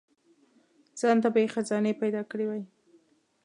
ځانته به یې خزانې پیدا کړي وای.